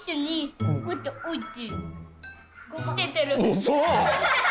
うそ。